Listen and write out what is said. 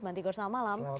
bang tigor selamat malam